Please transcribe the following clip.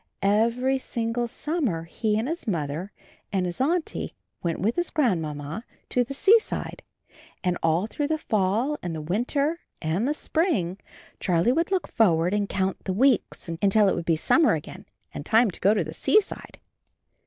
Every single summer he and his Mother and his Auntie went with his Grandmamma to the seaside, and all through the fall and the winter and the spring Charlie AND HIS KITTEN TOPSY 47 would look forward and count the weeks until it would be summer again and time to go to the seaside.